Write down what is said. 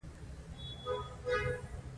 دې ته د مرارت یا کړاو کمول وايي.